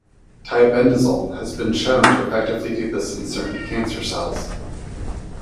Tiabendazole has been shown to effectively do this in certain cancer cells.